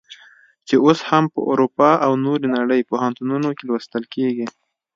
چې اوس هم په اروپا او نورې نړۍ پوهنتونونو کې لوستل کیږي.